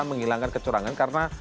menghilangkan kecurangan karena